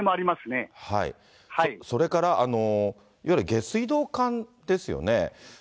それから、いわゆる下水道管ですよね。